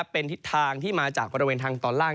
เป็นทิศทางที่มาจากบริเวณทางตอนล่าง